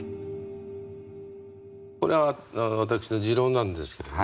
これは私の持論なんですけどね